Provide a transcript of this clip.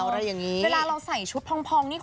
เวลาเราใส่ชุดพองนี่